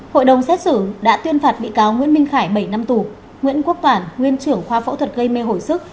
hội đồng xét xử đã tuyên phạt bị cáo nguyễn minh khải bảy năm tù nguyễn quốc toản nguyên trưởng khoa phẫu thuật gây mê hồi sức